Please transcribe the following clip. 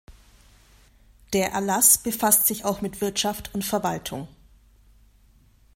Der Erlass befasst sich auch mit Wirtschaft und Verwaltung.